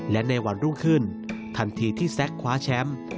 และในวันรุ่งขึ้นทันทีที่แซ็กคว้าแชมป์